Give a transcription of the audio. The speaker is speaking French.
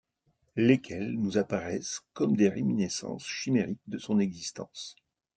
Lesquels nous apparaissent comme des réminiscences chimériques de son existence.